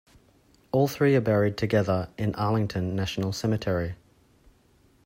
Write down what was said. All three are buried together in Arlington National Cemetery.